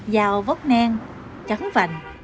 dao vót nang trắng vành